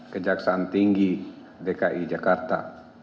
kejaksaan tinggi dki jakarta